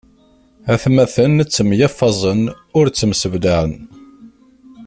Atmaten ttemyeffaẓen, ur ttemseblaɛen.